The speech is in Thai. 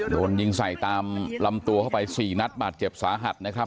โดนยิงใส่ตามลำตัวเข้าไป๔นัดบาดเจ็บสาหัสนะครับ